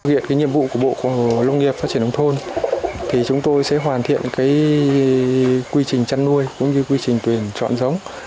việc nhiệm vụ của bộ công nghiệp phát triển đồng thôn thì chúng tôi sẽ hoàn thiện quy trình chăn nuôi cũng như quy trình tuyển chọn giống